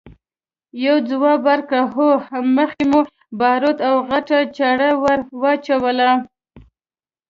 يوه ځواب ورکړ! هو، مخکې مو باروت او غټه چره ور واچوله!